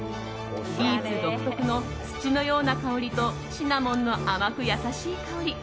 ビーツ独特の土のような香りとシナモンの甘く優しい香り。